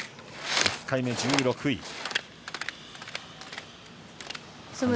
１回目１６位。